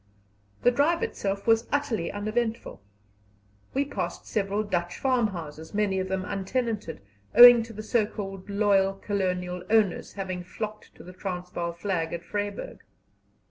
The drive itself was utterly uneventful. We passed several Dutch farmhouses, many of them untenanted, owing to the so called loyal colonial owners having flocked to the Transvaal flag at Vryburg.